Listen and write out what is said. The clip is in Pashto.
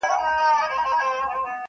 جانان پر سرو سترګو مین دی،